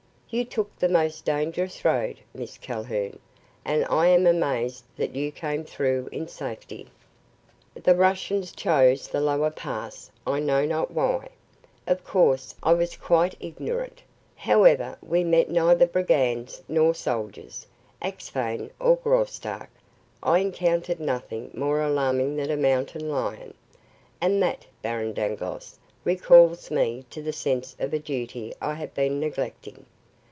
You took the most dangerous road, Miss Calhoun, and I am amazed that you came through in safety." "The Russians chose the lower pass, I know not why. Of course, I was quite ignorant. However, we met neither brigands nor soldiers, Axphain or Graustark. I encountered nothing more alarming than a mountain lion. And that, Baron Dangloss, recalls me to the sense of a duty I have been neglecting.